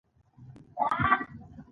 غږ دې خوږ دی